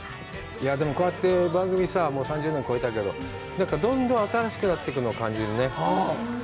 こうやって、番組さ、３０年超えたけど、どんどん新しくなってくの感じるね。